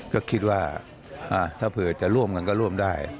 ก็คิดว่าถ้าเผื่อจะร่วมกันก็ร่วมได้